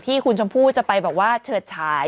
ที่คุณชมพู่จะไปเฉิดฉาย